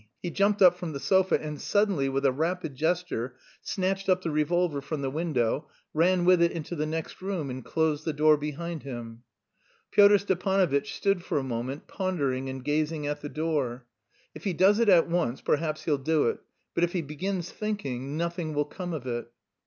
He jumped up from the sofa and suddenly, with a rapid gesture, snatched up the revolver from the window, ran with it into the next room, and closed the door behind him. Pyotr Stepanovitch stood for a moment, pondering and gazing at the door. "If he does it at once, perhaps he'll do it, but if he begins thinking, nothing will come of it."